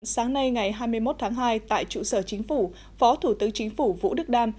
sáng nay ngày hai mươi một tháng hai tại trụ sở chính phủ phó thủ tướng chính phủ vũ đức đam